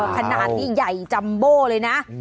ขนาดนี้ใหญ่จัมโบ้เลยนะ